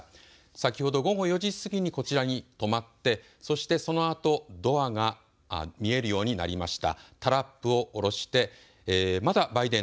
先ほど午後４時過ぎにこちらにとまって、そしてそのあとドアが見えるようになりました。